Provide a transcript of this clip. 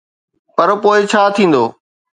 پر پوءِ ڇا ٿيندو؟